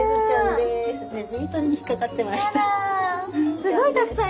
すごいたくさん。